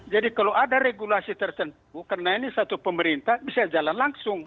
jadi kalau ada regulasi tertentu karena ini satu pemerintah bisa jalan langsung